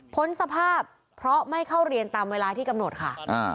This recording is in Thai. สภาพเพราะไม่เข้าเรียนตามเวลาที่กำหนดค่ะ